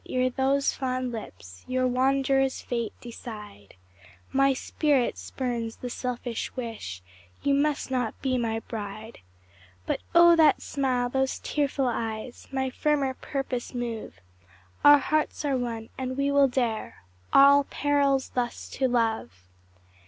ere those fond lips Your wanderer's fate decide; My spirit spurns the selfish wish You must not be my bride. But oh, that smile those tearful eyes, My firmer purpose move Our hearts are one, and we will dare All perils thus to love!